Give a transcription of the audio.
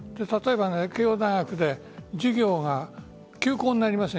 慶応大学で授業が休講になりました。